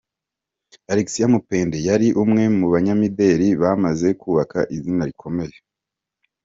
Alexia Mupende yari umwe mu banyamideli bamaze kubaka izina rikomeye .